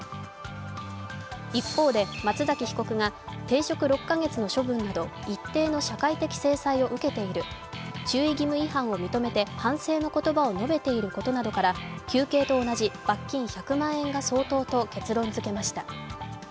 一方で、松崎被告が停職６カ月の処分など一定の社会的制裁を受けている、注意義務違反を認めて反省の言葉を述べていることなどから求刑と同じ罰金１００万円が相当と結論づけました。